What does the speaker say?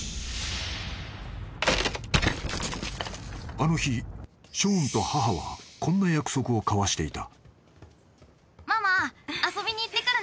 ［あの日ショーンと母はこんな約束を交わしていた］